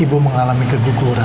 ibu mengalami keguguran